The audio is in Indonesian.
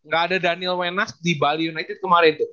gak ada daniel wenas di bali united kemarin tuh